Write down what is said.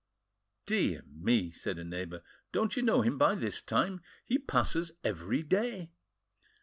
"Dear me!" said a neighbour, "don't you know him by this time? He passes every day."